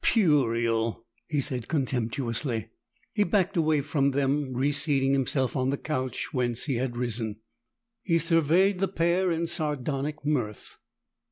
"Puerile!" he said contemptuously. He backed away from them, re seating himself on the couch whence he had risen. He surveyed the pair in sardonic mirth.